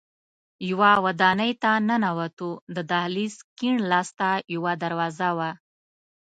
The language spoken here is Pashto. یوه ودانۍ ته ننوتو، د دهلېز کیڼ لاس ته یوه دروازه وه.